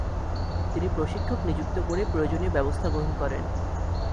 তিনি প্রশিক্ষক নিযুক্ত করে প্রয়ােজনীয় ব্যবস্থা গ্রহণ করেন।